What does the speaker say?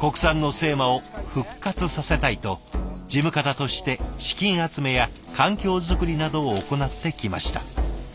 国産の精麻を復活させたいと事務方として資金集めや環境作りなどを行ってきました。